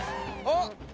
あっ！